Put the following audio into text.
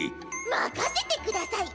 まかせてください